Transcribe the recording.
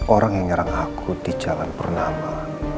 orang yang nyerang aku di jalan purnama